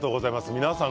皆さん